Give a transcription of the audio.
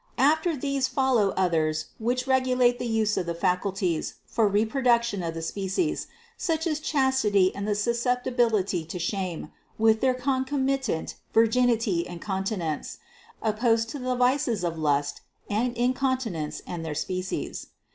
After these follow others which regulate the use of the faculties for reproduction of the species, such as chastity and susceptibility to shame, with their concomitant virginity and continence, opposed to the vices of lust and incontinence and their species.